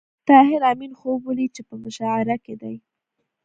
طاهر آمین خوب ولید چې په مشاعره کې دی